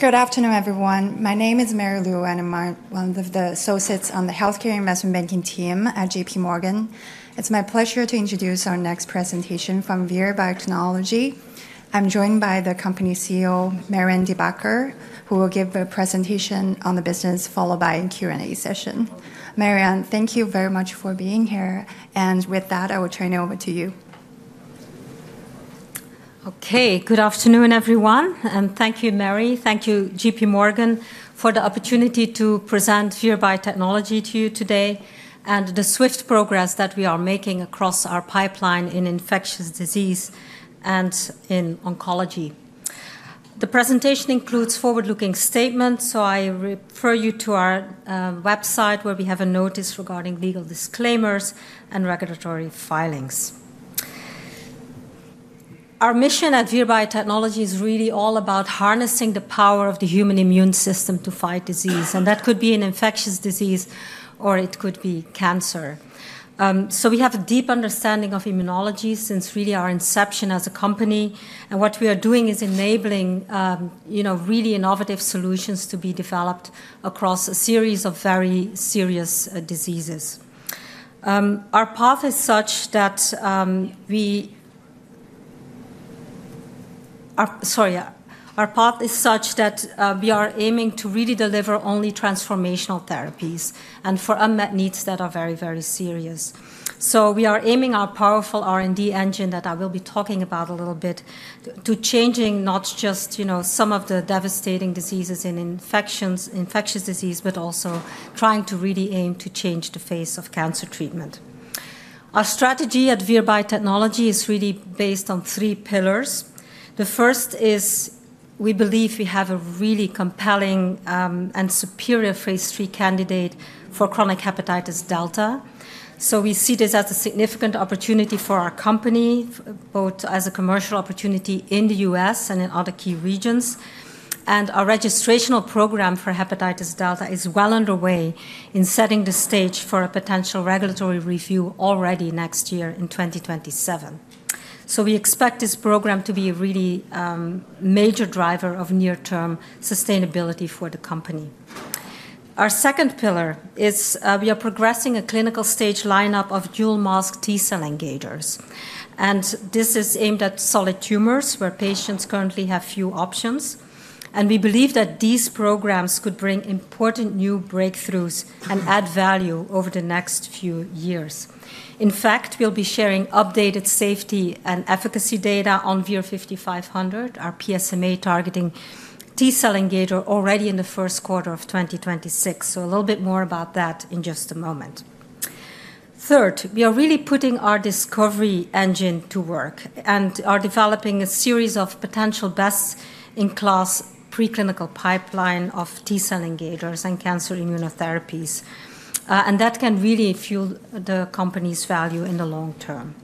Good afternoon, everyone. My name is Mary Lou, and I'm one of the associates on the Healthcare Investment Banking team at J.P. Morgan. It's my pleasure to introduce our next presentation from Vir Biotechnology. I'm joined by the company CEO, Marianne De Backer, who will give a presentation on the business, followed by a Q&A session. Marianne, thank you very much for being here, and with that, I will turn it over to you. Okay, good afternoon, everyone. And thank you, Mary. Thank you, J.P. Morgan, for the opportunity to present Vir Biotechnology to you today and the swift progress that we are making across our pipeline in infectious disease and in oncology. The presentation includes forward-looking statements, so I refer you to our website, where we have a notice regarding legal disclaimers and regulatory filings. Our mission at Vir Biotechnology is really all about harnessing the power of the human immune system to fight disease. And that could be an infectious disease, or it could be cancer. So we have a deep understanding of immunology since really our inception as a company. And what we are doing is enabling really innovative solutions to be developed across a series of very serious diseases. Our path is such that we are aiming to really deliver only transformational therapies and for unmet needs that are very, very serious. So we are aiming our powerful R&D engine that I will be talking about a little bit to changing not just some of the devastating diseases and infections in infectious disease, but also trying to really aim to change the face of cancer treatment. Our strategy at Vir Biotechnology is really based on three pillars. The first is we believe we have a really compelling and superior phase III candidate for chronic hepatitis Delta. So we see this as a significant opportunity for our company, both as a commercial opportunity in the U.S. and in other key regions. And our registration program for hepatitis Delta is well underway in setting the stage for a potential regulatory review already next year in 2027. So we expect this program to be a really major driver of near-term sustainability for the company. Our second pillar is we are progressing a clinical stage lineup of dual-mask T-cell engagers. And this is aimed at solid tumors where patients currently have few options. And we believe that these programs could bring important new breakthroughs and add value over the next few years. In fact, we'll be sharing updated safety and efficacy data on VIR-5500, our PSMA-targeting T-cell engager already in the first quarter of 2026. So a little bit more about that in just a moment. Third, we are really putting our discovery engine to work and are developing a series of potential best-in-class preclinical pipeline of T-cell engagers and cancer immunotherapies. That can really fuel the company's value in the long term.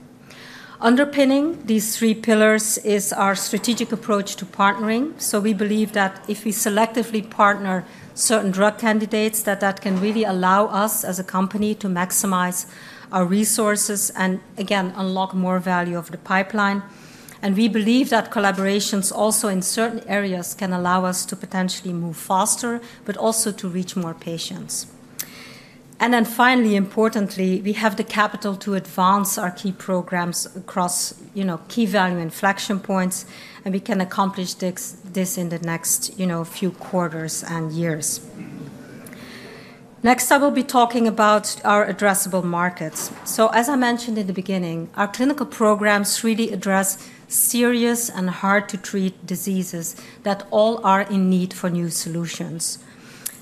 Underpinning these three pillars is our strategic approach to partnering. We believe that if we selectively partner certain drug candidates, that can really allow us as a company to maximize our resources and, again, unlock more value of the pipeline. We believe that collaborations also in certain areas can allow us to potentially move faster, but also to reach more patients. Finally, importantly, we have the capital to advance our key programs across key value inflection points. We can accomplish this in the next few quarters and years. Next, I will be talking about our addressable markets. As I mentioned in the beginning, our clinical programs really address serious and hard-to-treat diseases that all are in need for new solutions.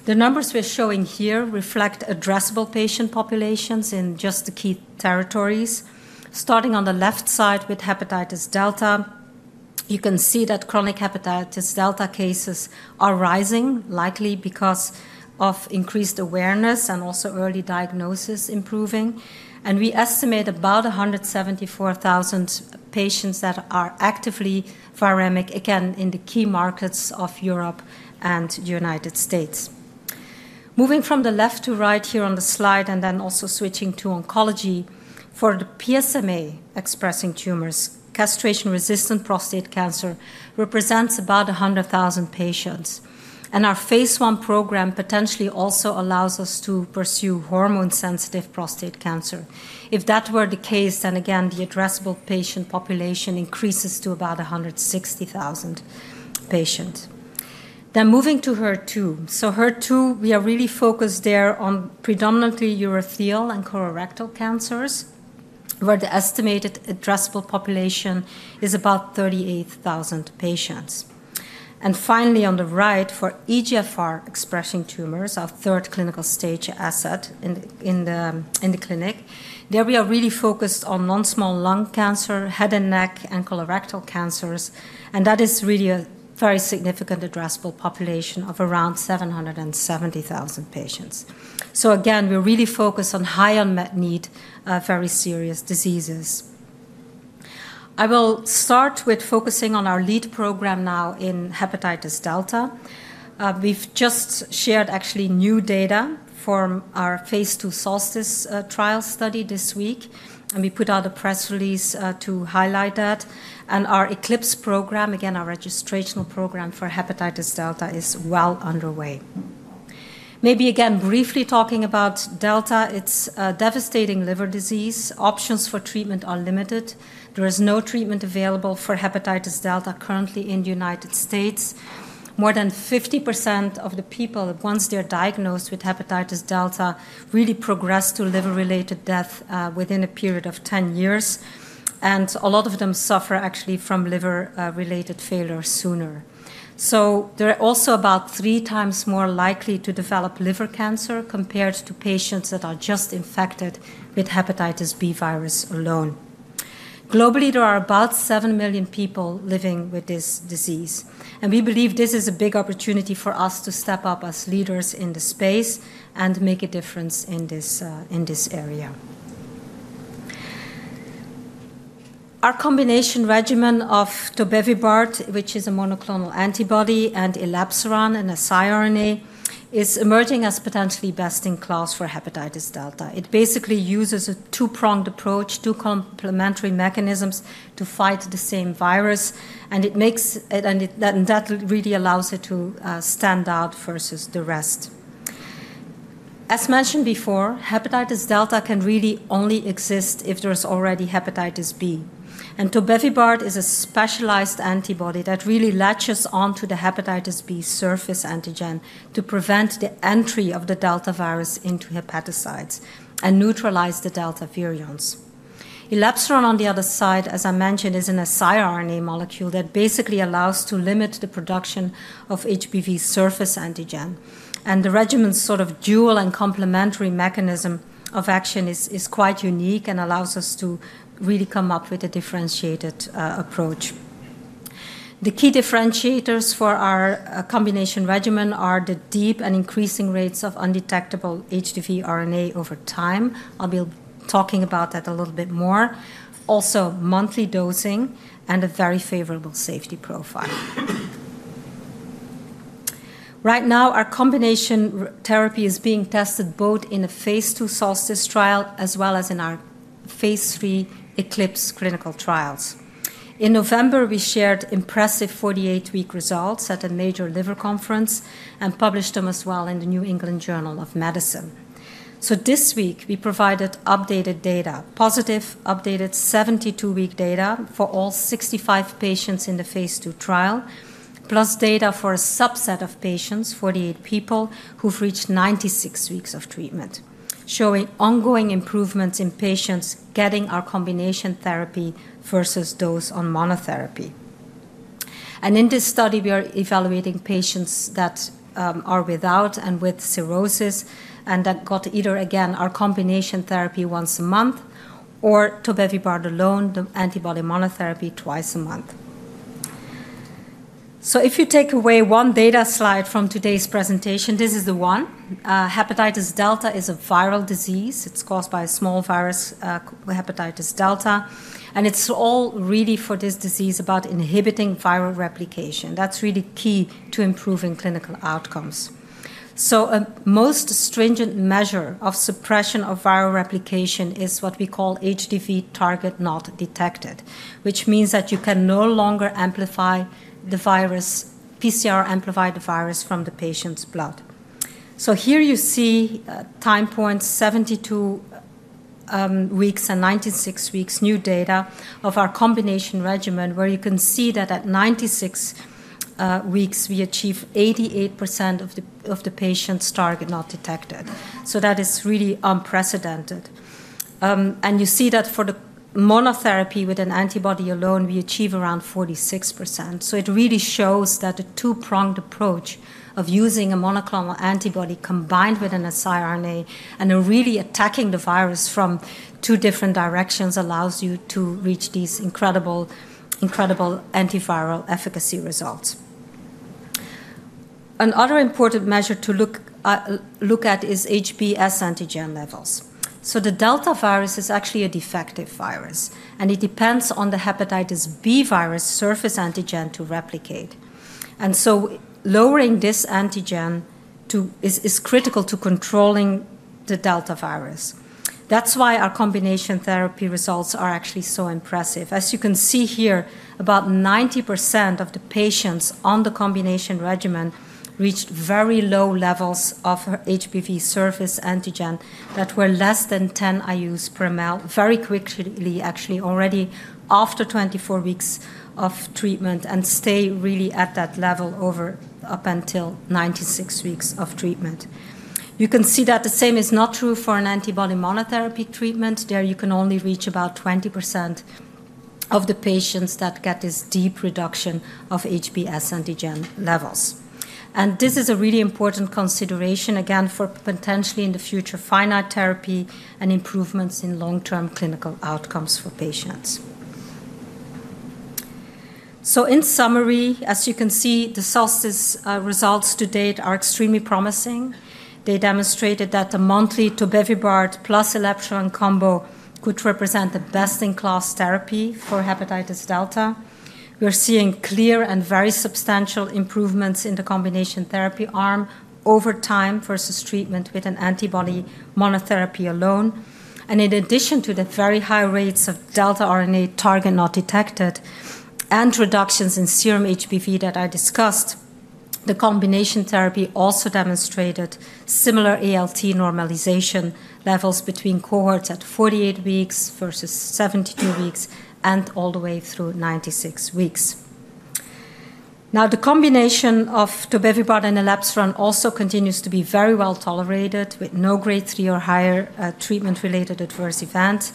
The numbers we're showing here reflect addressable patient populations in just the key territories. Starting on the left side with hepatitis delta, you can see that chronic hepatitis delta cases are rising, likely because of increased awareness and also early diagnosis improving. And we estimate about 174,000 patients that are actively viremic, again, in the key markets of Europe and the United States. Moving from the left to right here on the slide, and then also switching to oncology, for the PSMA-expressing tumors, castration-resistant prostate cancer represents about 100,000 patients. And our phase I program potentially also allows us to pursue hormone-sensitive prostate cancer. If that were the case, then again, the addressable patient population increases to about 160,000 patients. Then moving to HER2. So HER2, we are really focused there on predominantly urothelial and colorectal cancers, where the estimated addressable population is about 38,000 patients. And finally, on the right, for EGFR-expressing tumors, our third clinical stage asset in the clinic, there we are really focused on non-small cell lung cancer, head and neck, and colorectal cancers. And that is really a very significant addressable population of around 770,000 patients. So again, we're really focused on high unmet need, very serious diseases. I will start with focusing on our lead program now in hepatitis Delta. We've just shared actually new data from our Phase II SOLSTICE trial study this week. And we put out a press release to highlight that. And our ECLIPSE program, again, our registration program for hepatitis Delta, is well underway. Maybe again, briefly talking about Delta, it's a devastating liver disease. Options for treatment are limited. There is no treatment available for hepatitis Delta currently in the United States. More than 50% of the people, once they're diagnosed with hepatitis Delta, really progress to liver-related death within a period of 10 years. And a lot of them suffer actually from liver-related failure sooner. So they're also about three times more likely to develop liver cancer compared to patients that are just infected with hepatitis B virus alone. Globally, there are about seven million people living with this disease. And we believe this is a big opportunity for us to step up as leaders in the space and make a difference in this area. Our combination regimen of tobevibart, which is a monoclonal antibody, and elebsiran and siRNA, is emerging as potentially best in class for hepatitis Delta. It basically uses a two-pronged approach, two complementary mechanisms to fight the same virus. And that really allows it to stand out versus the rest. As mentioned before, hepatitis Delta can really only exist if there is already hepatitis B. And tobevibart is a specialized antibody that really latches onto the hepatitis B surface antigen to prevent the entry of the Delta virus into hepatocytes and neutralize the Delta virions. Elebsiran on the other side, as I mentioned, is an siRNA molecule that basically allows to limit the production of HBV surface antigen. And the regimen's sort of dual and complementary mechanism of action is quite unique and allows us to really come up with a differentiated approach. The key differentiators for our combination regimen are the deep and increasing rates of undetectable HDV RNA over time. I'll be talking about that a little bit more. Also, monthly dosing and a very favorable safety profile. Right now, our combination therapy is being tested both in a Phase II SOLSTICE trial as well as in our Phase III ECLIPSE clinical trials. In November, we shared impressive 48-week results at a major liver conference and published them as well in the New England Journal of Medicine, so this week, we provided updated data, positive updated 72-week data for all 65 patients in the phase II trial, plus data for a subset of patients, 48 people who've reached 96 weeks of treatment, showing ongoing improvements in patients getting our combination therapy versus those on monotherapy, and in this study, we are evaluating patients that are without and with cirrhosis and that got either, again, our combination therapy once a month or Tobevibart alone, the antibody monotherapy twice a month, so if you take away one data slide from today's presentation, this is the one. Hepatitis Delta is a viral disease. It's caused by a small virus, hepatitis Delta, and it's all really for this disease about inhibiting viral replication. That's really key to improving clinical outcomes, so a most stringent measure of suppression of viral replication is what we call HDV target not detected, which means that you can no longer amplify the virus, PCR-amplify the virus from the patient's blood, so here you see time points 72 weeks and 96 weeks new data of our combination regimen, where you can see that at 96 weeks, we achieve 88% of the patients' target not detected, so that is really unprecedented, and you see that for the monotherapy with an antibody alone, we achieve around 46%. So it really shows that the two-pronged approach of using a monoclonal antibody combined with an siRNA and really attacking the virus from two different directions allows you to reach these incredible antiviral efficacy results. Another important measure to look at is HBs antigen levels. So the delta virus is actually a defective virus. And it depends on the hepatitis B virus surface antigen to replicate. And so lowering this antigen is critical to controlling the delta virus. That's why our combination therapy results are actually so impressive. As you can see here, about 90% of the patients on the combination regimen reached very low levels of HBV surface antigen that were less than 10 IUs per ml very quickly, actually, already after 24 weeks of treatment and stay really at that level up until 96 weeks of treatment. You can see that the same is not true for an antibody monotherapy treatment. There you can only reach about 20% of the patients that get this deep reduction of HBs antigen levels. And this is a really important consideration, again, for potentially in the future finite therapy and improvements in long-term clinical outcomes for patients. So in summary, as you can see, the SOLSTICE results to date are extremely promising. They demonstrated that the monthly tobevibart plus elebsiran combo could represent the best-in-class therapy for hepatitis Delta. We're seeing clear and very substantial improvements in the combination therapy arm over time versus treatment with an antibody monotherapy alone. In addition to the very high rates of Delta RNA target not detected and reductions in serum HBV that I discussed, the combination therapy also demonstrated similar ALT normalization levels between cohorts at 48 weeks versus 72 weeks and all the way through 96 weeks. Now, the combination of tobevibart and elebsiran also continues to be very well tolerated with no grade 3 or higher treatment-related adverse events.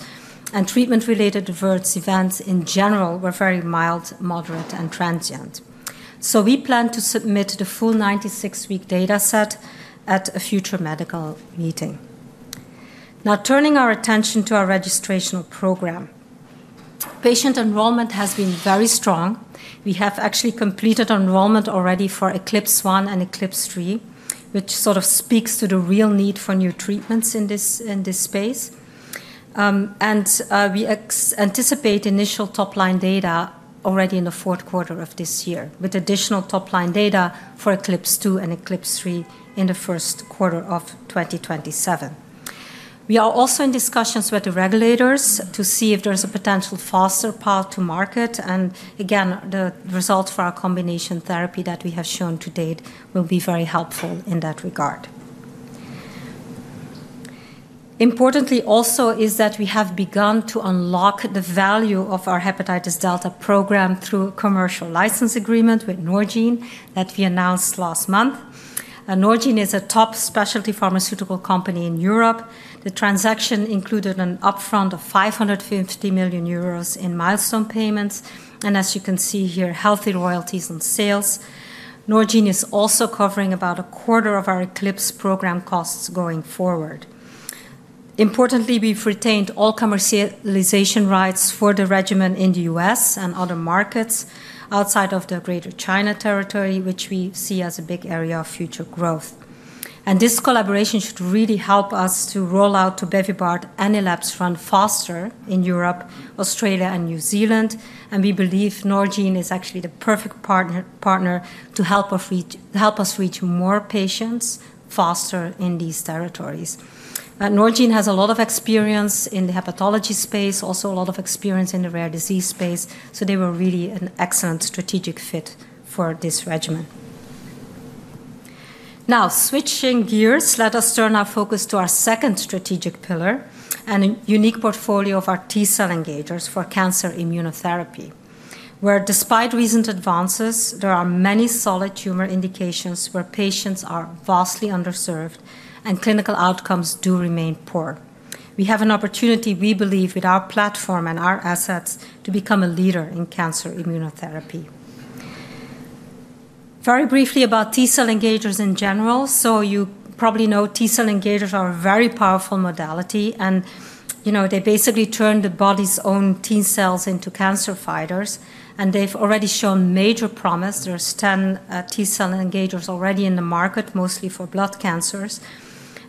Treatment-related adverse events in general were very mild, moderate, and transient. We plan to submit the full 96-week data set at a future medical meeting. Now, turning our attention to our registration program, patient enrollment has been very strong. We have actually completed enrollment already for ECLIPSE I and ECLIPSE III, which sort of speaks to the real need for new treatments in this space. We anticipate initial top-line data already in the fourth quarter of this year with additional top-line data for ECLIPSE II and ECLIPSE III in the first quarter of 2027. We are also in discussions with the regulators to see if there is a potential faster path to market. And again, the results for our combination therapy that we have shown to date will be very helpful in that regard. Importantly also is that we have begun to unlock the value of our hepatitis Delta program through a commercial license agreement with Norgine that we announced last month. Norgine is a top specialty pharmaceutical company in Europe. The transaction included an upfront of 550 million euros in milestone payments. And as you can see here, healthy royalties on sales. Norgine is also covering about a quarter of our ECLIPSE program costs going forward. Importantly, we've retained all commercialization rights for the regimen in the U.S. and other markets outside of the Greater China territory, which we see as a big area of future growth, and this collaboration should really help us to roll out tobevibart and elebsiran faster in Europe, Australia, and New Zealand, and we believe Norgine is actually the perfect partner to help us reach more patients faster in these territories. Norgine has a lot of experience in the hepatology space, also a lot of experience in the rare disease space, so they were really an excellent strategic fit for this regimen. Now, switching gears, let us turn our focus to our second strategic pillar and a unique portfolio of our T-cell engagers for cancer immunotherapy, where despite recent advances, there are many solid tumor indications where patients are vastly underserved and clinical outcomes do remain poor. We have an opportunity, we believe, with our platform and our assets to become a leader in cancer immunotherapy. Very briefly about T-cell engagers in general. So you probably know T-cell engagers are a very powerful modality. And they basically turn the body's own T-cells into cancer fighters. And they've already shown major promise. There are 10 T-cell engagers already in the market, mostly for blood cancers.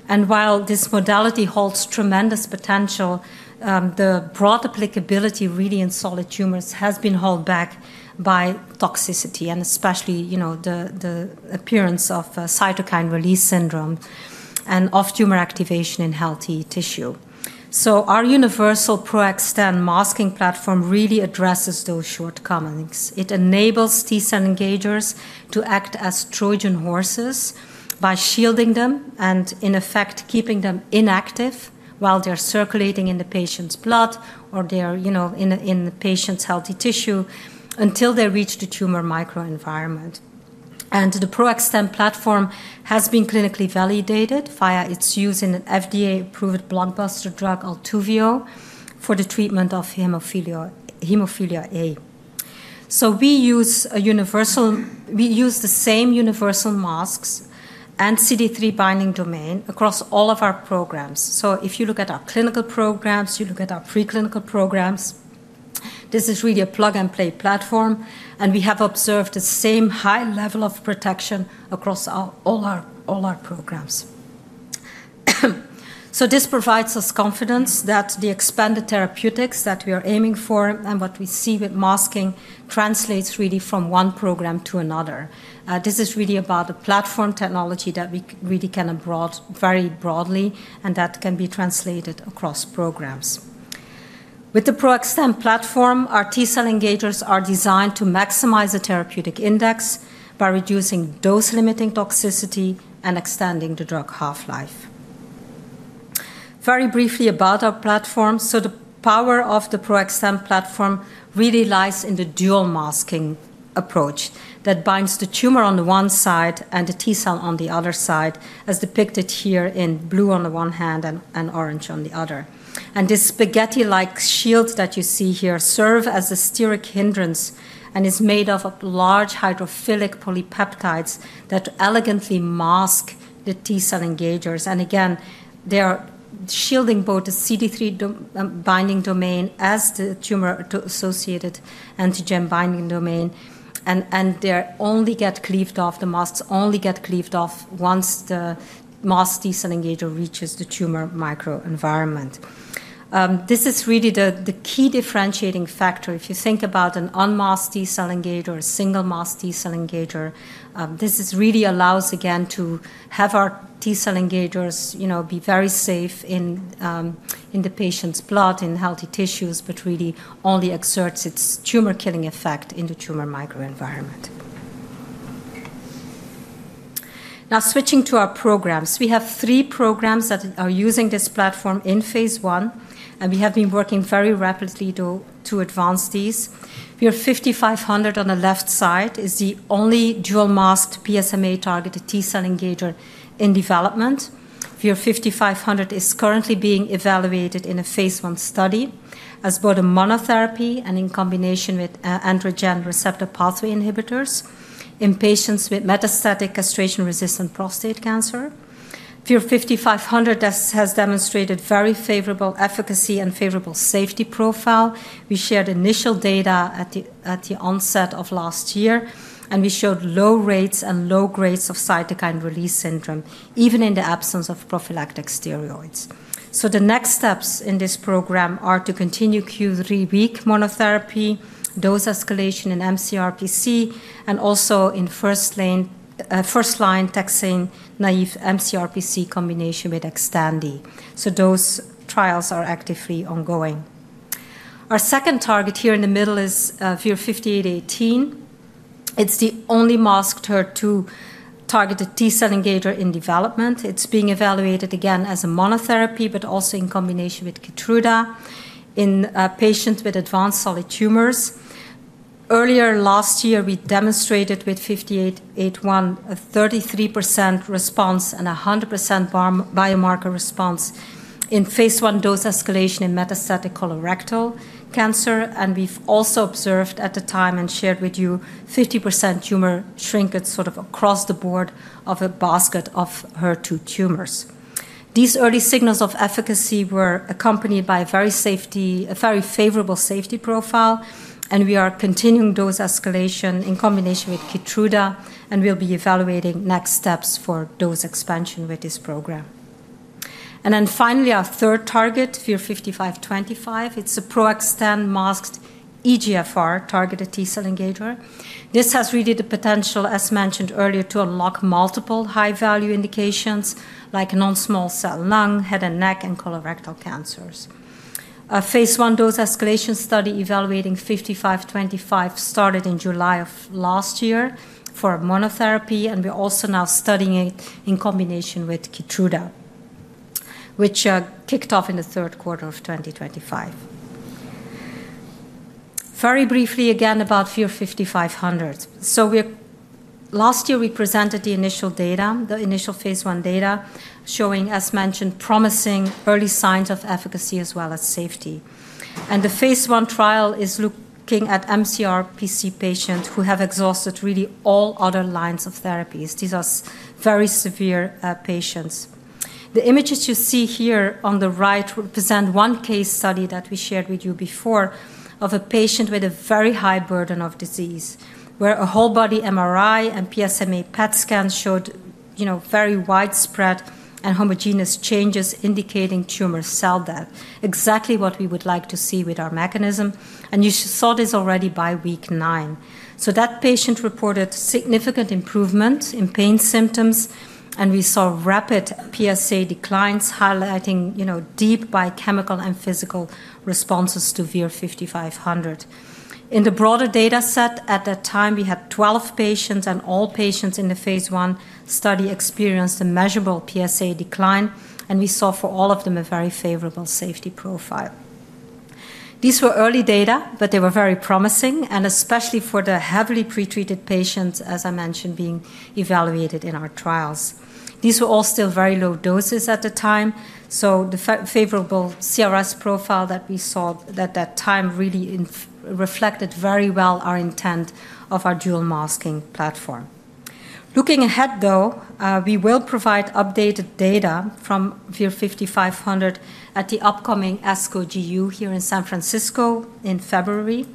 And while this modality holds tremendous potential, the broad applicability really in solid tumors has been held back by toxicity, and especially the appearance of cytokine release syndrome and of tumor activation in healthy tissue. So our universal PRO-XTEN masking platform really addresses those shortcomings. It enables T-cell engagers to act as Trojan horses by shielding them and, in effect, keeping them inactive while they're circulating in the patient's blood or they're in the patient's healthy tissue until they reach the tumor microenvironment. The PRO-XTEN platform has been clinically validated via its use in an FDA-approved blockbuster drug, Altuviiio, for the treatment of hemophilia A. We use the same universal masks and CD3 binding domain across all of our programs. If you look at our clinical programs, you look at our preclinical programs, this is really a plug-and-play platform. We have observed the same high level of protection across all our programs. This provides us confidence that the expanded therapeutics that we are aiming for and what we see with masking translates really from one program to another. This is really about the platform technology that we really can apply very broadly and that can be translated across programs. With the PRO-XTEN platform, our T-cell engagers are designed to maximize the therapeutic index by reducing dose-limiting toxicity and extending the drug half-life. Very briefly about our platform. The power of the PRO-XTEN platform really lies in the dual masking approach that binds the tumor on the one side and the T-cell on the other side, as depicted here in blue on the one hand and orange on the other. This spaghetti-like shield that you see here serves as a steric hindrance and is made of large hydrophilic polypeptides that elegantly mask the T-cell engagers. Again, they are shielding both the CD3 binding domain as the tumor-associated antigen binding domain. They only get cleaved off. The masks only get cleaved off once the masked T-cell engager reaches the tumor microenvironment. This is really the key differentiating factor. If you think about an unmasked T-cell engager or a single masked T-cell engager, this really allows, again, to have our T-cell engagers be very safe in the patient's blood, in healthy tissues, but really only exerts its tumor-killing effect in the tumor microenvironment. Now, switching to our programs, we have three programs that are using this platform in phase I, and we have been working very rapidly to advance these. VIR-5500 on the left side is the only dual-masked PSMA-targeted T-cell engager in development. VIR-5500 is currently being evaluated in a phase I study as both a monotherapy and in combination with androgen receptor pathway inhibitors in patients with metastatic castration-resistant prostate cancer. VIR-5500 has demonstrated very favorable efficacy and favorable safety profile. We shared initial data at the onset of last year. We showed low rates and low grades of cytokine release syndrome, even in the absence of prophylactic steroids. The next steps in this program are to continue Q3 week monotherapy, dose escalation in mCRPC, and also in first-line taxane-naïve mCRPC combination with Xtandi. Those trials are actively ongoing. Our second target here in the middle is VIR-5818. It's the only masked HER2-targeted T-cell engager in development. It's being evaluated, again, as a monotherapy, but also in combination with Keytruda in patients with advanced solid tumors. Earlier last year, we demonstrated with VIR-5881 a 33% response and 100% biomarker response in phase I dose escalation in metastatic colorectal cancer. We've also observed at the time and shared with you 50% tumor shrinkage sort of across the board of a basket of HER2 tumors. These early signals of efficacy were accompanied by a very favorable safety profile. We are continuing dose escalation in combination with Keytruda. We'll be evaluating next steps for dose expansion with this program. Then finally, our third target, VIR-5525, it's a PRO-XTEN masked EGFR-targeted T-cell engager. This has really the potential, as mentioned earlier, to unlock multiple high-value indications like non-small cell lung, head and neck, and colorectal cancers. A phase I dose escalation study evaluating VIR-5525 started in July of last year for a monotherapy. We're also now studying it in combination with Keytruda, which kicked off in the third quarter of 2025. Very briefly again about VIR-5500. Last year, we presented the initial data, the initial phase I data, showing, as mentioned, promising early signs of efficacy as well as safety. The phase I trial is looking at mCRPC patients who have exhausted really all other lines of therapies. These are very severe patients. The images you see here on the right represent one case study that we shared with you before of a patient with a very high burden of disease where a whole-body MRI and PSMA PET scan showed very widespread and homogeneous changes indicating tumor cell death, exactly what we would like to see with our mechanism. And you saw this already by week nine. So that patient reported significant improvement in pain symptoms. And we saw rapid PSA declines, highlighting deep biochemical and physical responses to VIR-5500. In the broader data set at that time, we had 12 patients. And all patients in the phase I study experienced a measurable PSA decline. And we saw for all of them a very favorable safety profile. These were early data, but they were very promising, and especially for the heavily pretreated patients, as I mentioned, being evaluated in our trials. These were all still very low doses at the time, so the favorable CRS profile that we saw at that time really reflected very well our intent of our dual-masking platform. Looking ahead, though, we will provide updated data from VIR-5500 at the upcoming ASCO-GU here in San Francisco in February,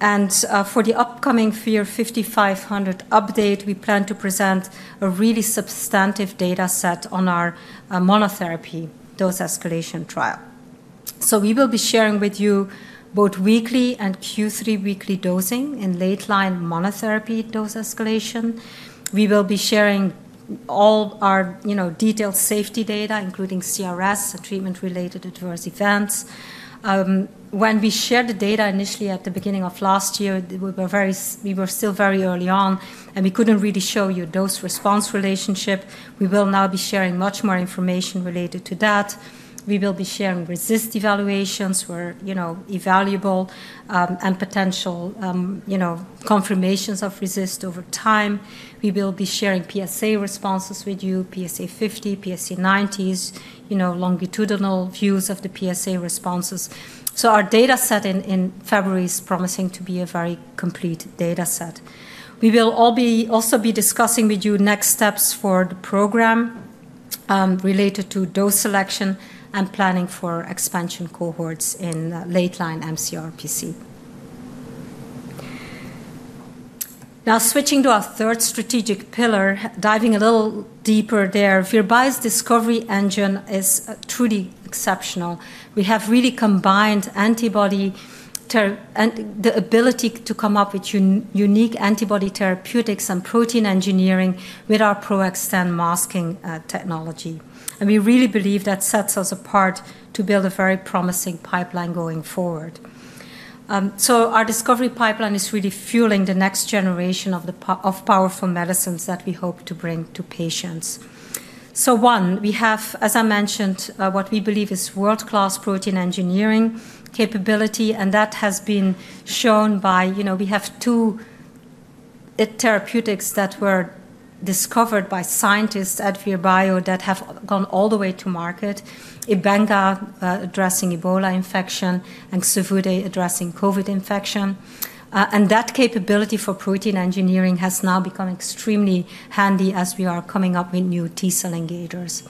and for the upcoming VIR-5500 update, we plan to present a really substantive data set on our monotherapy dose escalation trial, so we will be sharing with you both weekly and Q3 weekly dosing in late-line monotherapy dose escalation. We will be sharing all our detailed safety data, including CRS and treatment-related adverse events. When we shared the data initially at the beginning of last year, we were still very early on, and we couldn't really show you dose-response relationship. We will now be sharing much more information related to that. We will be sharing RECIST evaluations where evaluable and potential confirmations of RECIST over time. We will be sharing PSA responses with you, PSA 50, PSA 90s, longitudinal views of the PSA responses. So our data set in February is promising to be a very complete data set. We will also be discussing with you next steps for the program related to dose selection and planning for expansion cohorts in late-line mCRPC. Now, switching to our third strategic pillar, diving a little deeper there, Vir Biotechnology's discovery engine is truly exceptional. We have really combined antibodies and the ability to come up with unique antibody therapeutics and protein engineering with our PRO-XTEN masking technology. And we really believe that sets us apart to build a very promising pipeline going forward. So our discovery pipeline is really fueling the next generation of powerful medicines that we hope to bring to patients. One, we have, as I mentioned, what we believe is world-class protein engineering capability. That has been shown by we have two therapeutics that were discovered by scientists at Vir Biotechnology that have gone all the way to market: Ebanga, addressing Ebola infection, and Xevudy, addressing COVID infection. That capability for protein engineering has now become extremely handy as we are coming up with new T-cell engagers.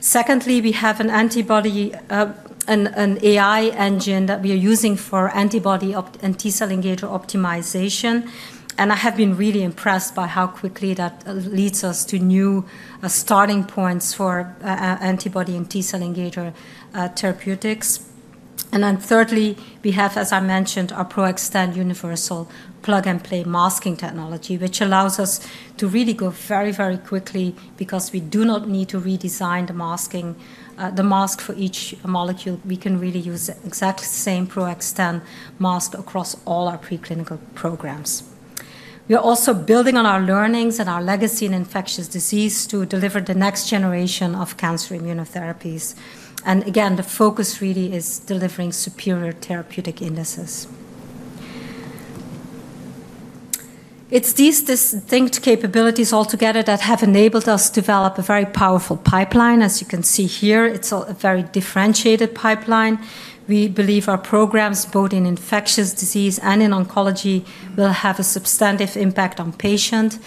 Secondly, we have an antibody and AI engine that we are using for antibody and T-cell engager optimization. I have been really impressed by how quickly that leads us to new starting points for antibody and T-cell engager therapeutics. Thirdly, we have, as I mentioned, our PRO-XTEN universal plug-and-play masking technology, which allows us to really go very, very quickly because we do not need to redesign the mask for each molecule. We can really use the exact same PRO-XTEN mask across all our preclinical programs. We are also building on our learnings and our legacy in infectious disease to deliver the next generation of cancer immunotherapies, and again, the focus really is delivering superior therapeutic indices. It's these distinct capabilities altogether that have enabled us to develop a very powerful pipeline. As you can see here, it's a very differentiated pipeline. We believe our programs, both in infectious disease and in oncology, will have a substantive impact on patients,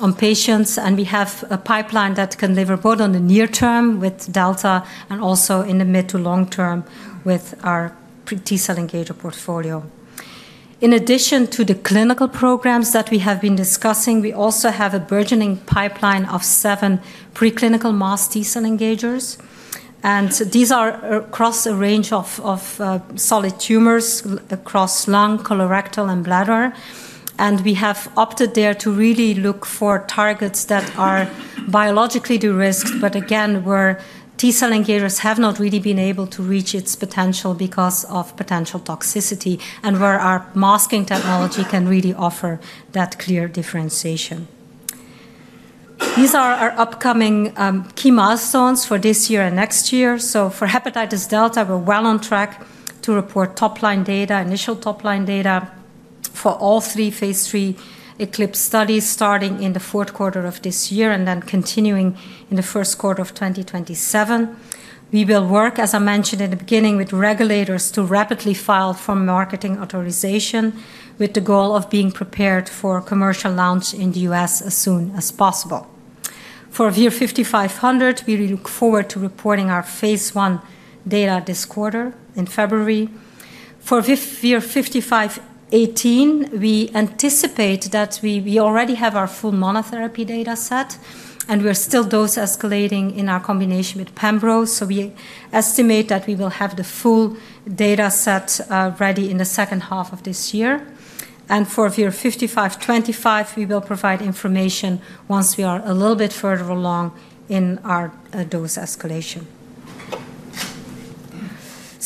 and we have a pipeline that can deliver both on the near term with Delta and also in the mid to long term with our T-cell engager portfolio. In addition to the clinical programs that we have been discussing, we also have a burgeoning pipeline of seven preclinical masked T-cell engagers. These are across a range of solid tumors across lung, colorectal, and bladder. We have opted there to really look for targets that are biologically de-risked, but again, where T-cell engagers have not really been able to reach its potential because of potential toxicity and where our masking technology can really offer that clear differentiation. These are our upcoming key milestones for this year and next year. For hepatitis Delta, we're well on track to report top-line data, initial top-line data for all three Phase III ECLIPSE studies starting in the fourth quarter of this year and then continuing in the first quarter of 2027. We will work, as I mentioned in the beginning, with regulators to rapidly file for marketing authorization with the goal of being prepared for commercial launch in the U.S. as soon as possible. For VIR-5500, we look forward to reporting our phase I data this quarter in February. For VIR-5818, we anticipate that we already have our full monotherapy data set, and we're still dose escalating in our combination with pembrolizumab, so we estimate that we will have the full data set ready in the second half of this year. And for VIR-5525, we will provide information once we are a little bit further along in our dose escalation,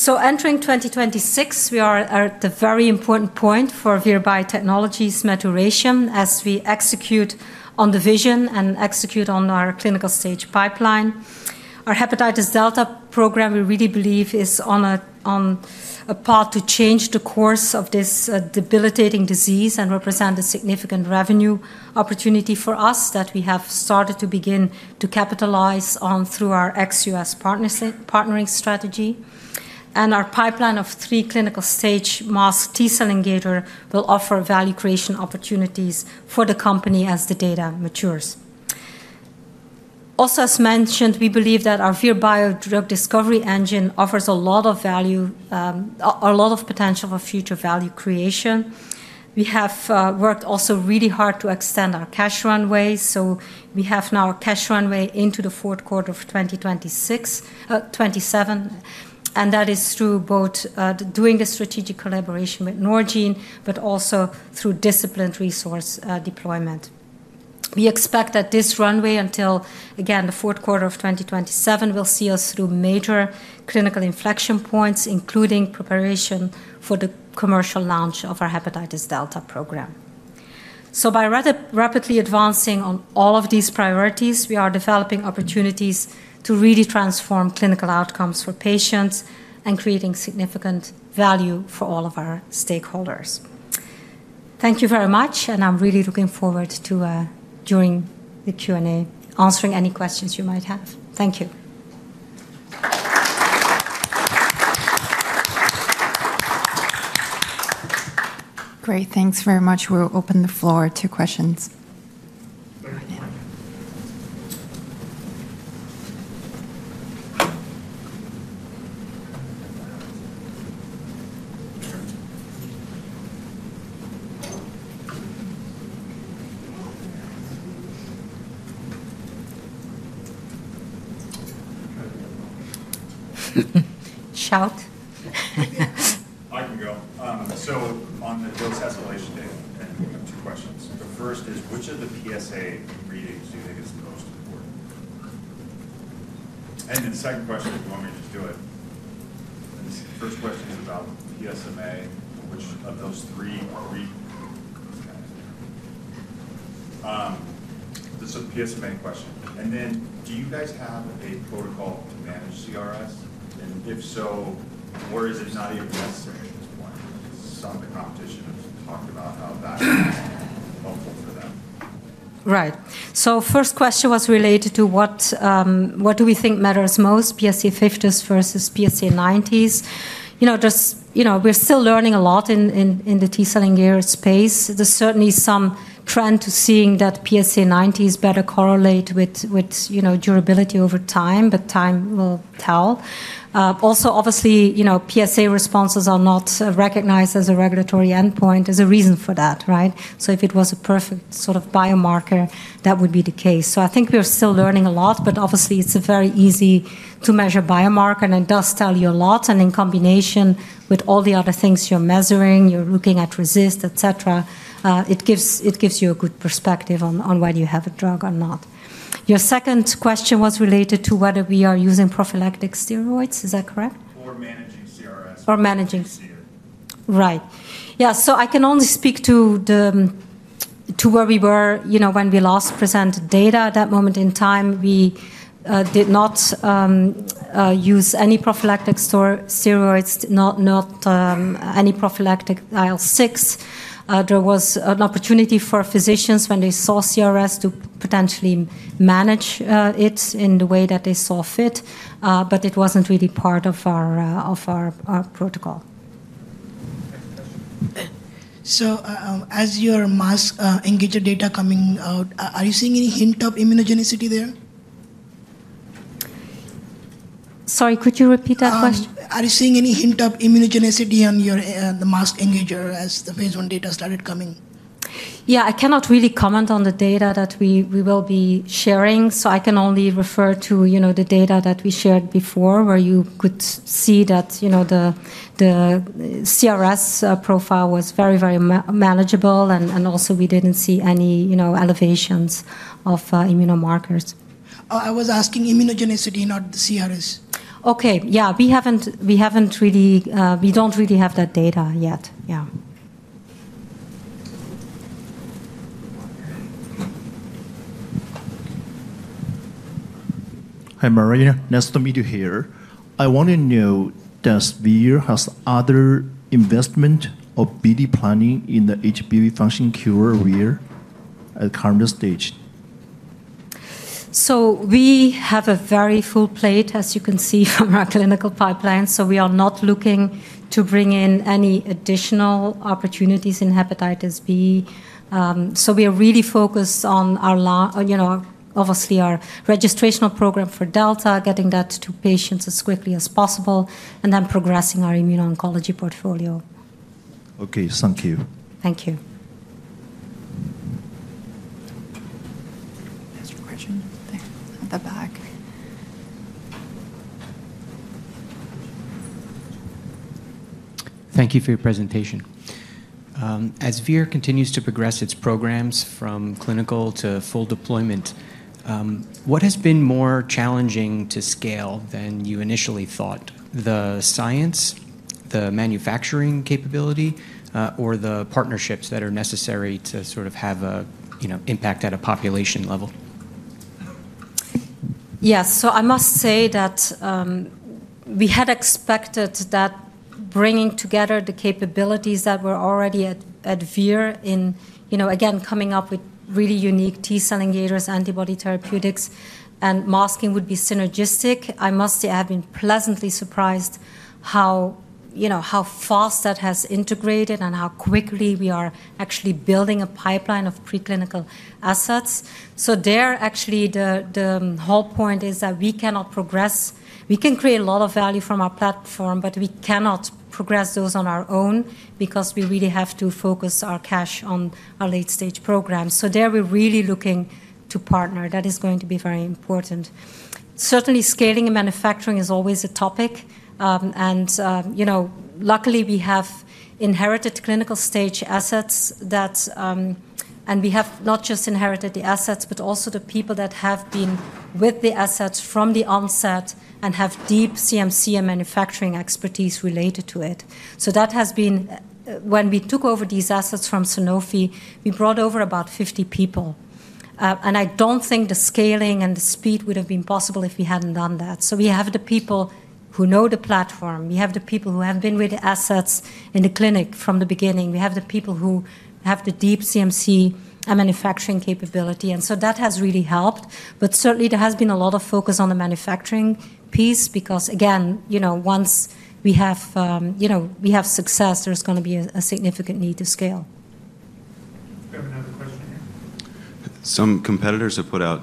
so entering 2026, we are at the very important point for Vir Biotechnology's maturation as we execute on the vision and execute on our clinical stage pipeline. Our hepatitis delta program, we really believe, is on a path to change the course of this debilitating disease and represent a significant revenue opportunity for us that we have started to begin to capitalize on through our ex-US partnering strategy. Our pipeline of three clinical-stage masked T-cell engagers will offer value creation opportunities for the company as the data matures. Also, as mentioned, we believe that our Vir Bio drug discovery engine offers a lot of value, a lot of potential for future value creation. We have worked also really hard to extend our cash runway. So we have now a cash runway into the fourth quarter of 2027. And that is through both doing the strategic collaboration with Norgine but also through disciplined resource deployment. We expect that this runway until, again, the fourth quarter of 2027 will see us through major clinical inflection points, including preparation for the commercial launch of our hepatitis Delta program. So by rapidly advancing on all of these priorities, we are developing opportunities to really transform clinical outcomes for patients and creating significant value for all of our stakeholders. Thank you very much, and I'm really looking forward to, during the Q&A, answering any questions you might have. Thank you. Great. Thanks very much. We'll open the floor to questions. Shout. I can go. So on the dose escalation data, we have two questions. The first is, which of the PSA readings do you think is the most important? And then the second question, if you want me to just do it. And this first question is about PSMA, which of those three are we? So PSMA question. And then do you guys have a protocol to manage CRS? And if so, why is it not even necessary at this point? Some of the competition has talked about how that's helpful for them. Right. So first question was related to what do we think matters most, PSA 50s versus PSA 90s? We're still learning a lot in the T-cell engager space. There's certainly some trend to seeing that PSA 90s better correlate with durability over time, but time will tell. Also, obviously, PSA responses are not recognized as a regulatory endpoint. There's a reason for that, right? So if it was a perfect sort of biomarker, that would be the case. So I think we are still learning a lot. But obviously, it's a very easy-to-measure biomarker. And it does tell you a lot. And in combination with all the other things you're measuring, you're looking at RECIST, et cetera, it gives you a good perspective on whether you have a drug or not. Your second question was related to whether we are using prophylactic steroids. Is that correct? Or managing CRS. Or managing. Right. Right. Yeah. So I can only speak to where we were when we last presented data. At that moment in time, we did not use any prophylactic steroids, not any prophylactic IL-6. There was an opportunity for physicians when they saw CRS to potentially manage it in the way that they saw fit. But it wasn't really part of our protocol. Next question. So as your masked engager data coming out, are you seeing any hint of immunogenicity there? Sorry, could you repeat that question? Are you seeing any hint of immunogenicity on the masked engager as the phase I data started coming? Yeah. I cannot really comment on the data that we will be sharing. So I can only refer to the data that we shared before where you could see that the CRS profile was very, very manageable. And also, we didn't see any elevations of inflammatory markers. I was asking immunogenicity, not the CRS. Okay. Yeah. We don't really have that data yet. Yeah. Hi, Marianne. Nice to meet you here. I want to know, does Vir have other investment or BD planning in the HBV vaccine cure at the current stage? So we have a very full plate, as you can see from our clinical pipeline. So we are not looking to bring in any additional opportunities in hepatitis B. So we are really focused on, obviously, our registration program for Delta, getting that to patients as quickly as possible, and then progressing our immuno-oncology portfolio. Okay. Thank you. Thank you. Next question. There. At the back. Thank you for your presentation. As Vir continues to progress its programs from clinical to full deployment, what has been more challenging to scale than you initially thought? The science, the manufacturing capability, or the partnerships that are necessary to sort of have an impact at a population level? Yes. So I must say that we had expected that bringing together the capabilities that were already at Vir in, again, coming up with really unique T-cell engagers, antibody therapeutics, and masking would be synergistic. I must say I've been pleasantly surprised how fast that has integrated and how quickly we are actually building a pipeline of preclinical assets. So there, actually, the whole point is that we cannot progress. We can create a lot of value from our platform, but we cannot progress those on our own because we really have to focus our cash on our late-stage program. So there, we're really looking to partner. That is going to be very important. Certainly, scaling and manufacturing is always a topic. And luckily, we have inherited clinical-stage assets. And we have not just inherited the assets but also the people that have been with the assets from the onset and have deep CMC and manufacturing expertise related to it. So that has been when we took over these assets from Sanofi. We brought over about 50 people. And I don't think the scaling and the speed would have been possible if we hadn't done that. So we have the people who know the platform. We have the people who have been with the assets in the clinic from the beginning. We have the people who have the deep CMC and manufacturing capability. And so that has really helped. But certainly, there has been a lot of focus on the manufacturing piece because, again, once we have success, there's going to be a significant need to scale. Do we have another question here? Some competitors have put out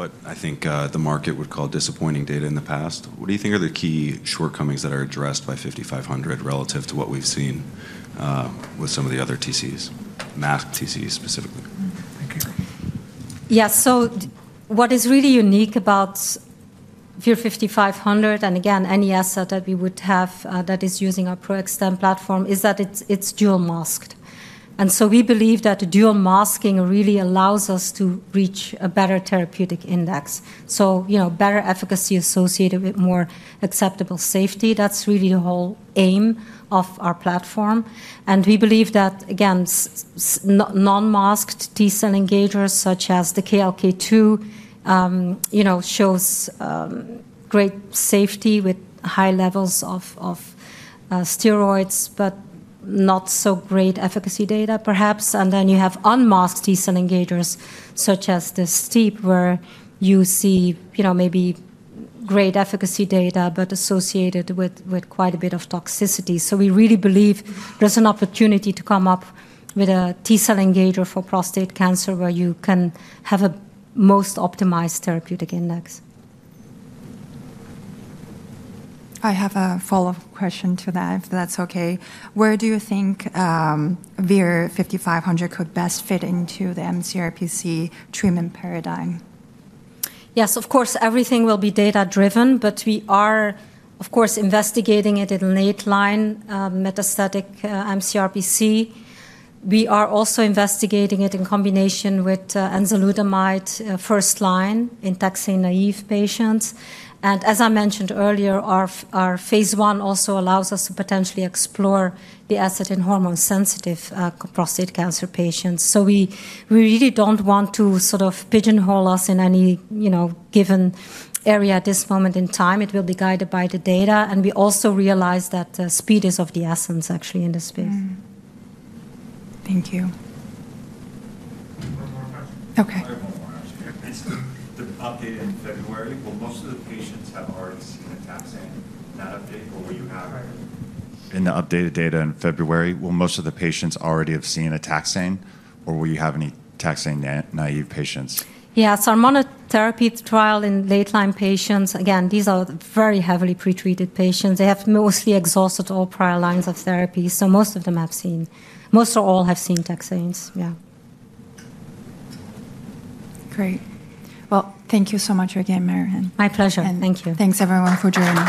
what I think the market would call disappointing data in the past. What do you think are the key shortcomings that are addressed by 5500 relative to what we've seen with some of the other TCs, masked TCs specifically? Thank you. Yeah. So what is really unique about VIR-5500 and, again, any asset that we would have that is using our PRO-XTEN platform is that it's dual masked. And so we believe that dual masking really allows us to reach a better therapeutic index, so better efficacy associated with more acceptable safety. That's really the whole aim of our platform. And we believe that, again, non-masked T-cell engagers such as the KLK2 shows great safety with high levels of steroids but not so great efficacy data, perhaps. And then you have unmasked T-cell engagers such as the STEAP1 where you see maybe great efficacy data but associated with quite a bit of toxicity. So we really believe there's an opportunity to come up with a T-cell engager for prostate cancer where you can have a most optimized therapeutic index. I have a follow-up question to that, if that's okay. Where do you think VIR-5500 could best fit into the mCRPC treatment paradigm? Yes. Of course, everything will be data-driven, but we are, of course, investigating it in late-line metastatic mCRPC. We are also investigating it in combination with enzalutamide first-line in taxane-naïve patients, and as I mentioned earlier, our phase I also allows us to potentially explore the space in hormone-sensitive prostate cancer patients, so we really don't want to sort of pigeonhole us in any given area at this moment in time. It will be guided by the data, and we also realize that the speed is of the essence, actually, in this space. Thank you. Okay. One more question. Is the update in February? Will most of the patients have already seen a taxane in that update? Or will you have? In the updated data in February, will most of the patients already have seen a taxane? Or will you have any taxane naive patients? Yeah. So our monotherapy trial in late-line patients, again, these are very heavily pretreated patients. They have mostly exhausted all prior lines of therapy. So most of them have seen, most or all have seen taxanes. Yeah. Great. Well, thank you so much again, Marianne. My pleasure. Thank you. Thanks, everyone, for joining.